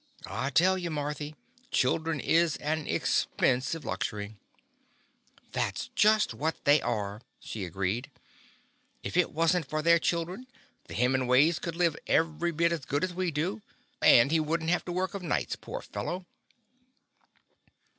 I tell you, Mar thy, children is an expensive luxury!" "That 's just what they are," she agreed. "If it was n't for their chil dren, the Hemingways could live every bit as good as we do, and he would n't have to work of nights, poor The Confessions of a Daddy fellow.